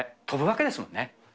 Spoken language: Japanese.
飛ぶわけですもんね。